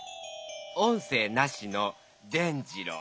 音声なしの伝じろう。